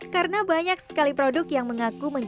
karena banyak sekali produk yang menggunakan daging yang berbeda